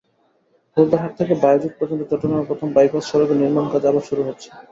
ফৌজদারহাট থেকে বায়েজীদ পর্যন্ত চট্টগ্রামের প্রথম বাইপাস সড়কের নির্মাণকাজ আবার শুরু হচ্ছে।